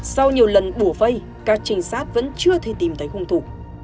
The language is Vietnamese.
sau nhiều lần bổ vây các trinh sát vẫn chưa thể tìm thấy hung thủ